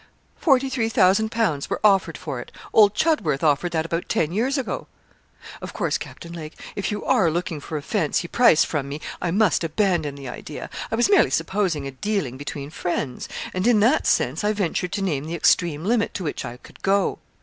'Forty three thousand pounds were offered for it. Old Chudworth offered that about ten years ago.' 'Of course, Captain Lake, if you are looking for a fancy price from me I must abandon the idea. I was merely supposing a dealing between friends, and in that sense I ventured to name the extreme limit to which I could go.